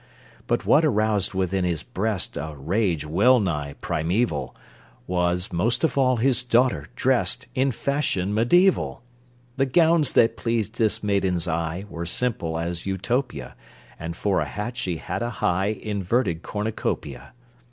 But what aroused within his breast A rage well nigh primeval Was, most of all, his daughter, dressed In fashion mediæval: The gowns that pleased this maiden's eye Were simple as Utopia, And for a hat she had a high Inverted cornucopia.